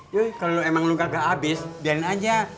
yuh kalau emang lo kagak habis biarin aja